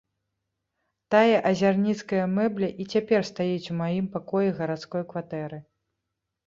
Тая азярніцкая мэбля і цяпер стаіць у маім пакоі гарадской кватэры.